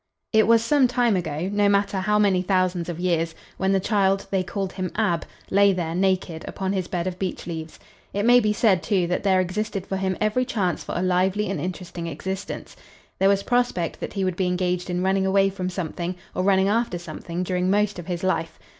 It was some time ago, no matter how many thousands of years, when the child they called him Ab lay there, naked, upon his bed of beech leaves. It may be said, too, that there existed for him every chance for a lively and interesting existence. There was prospect that he would be engaged in running away from something or running after something during most of his life.